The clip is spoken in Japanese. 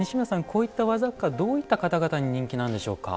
こういった和雑貨どういった方々に人気なんでしょうか？